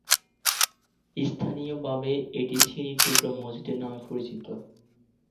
স্থানীয়ভাবে এটি ‘চিনির টুকরা মসজিদ’ নামে পরিচিত।